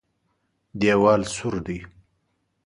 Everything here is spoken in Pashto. دېوال سوری دی.